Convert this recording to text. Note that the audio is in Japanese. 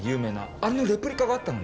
あのレプリカがあったの。